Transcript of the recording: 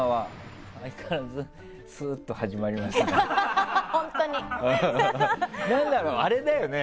相変わらずスッと始まりましたね。